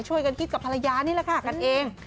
ช่วยกันคิดกับภรรยานี่แหละค่ะกันเอง